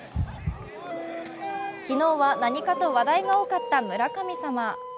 昨日は何かと話題が多かった村神様。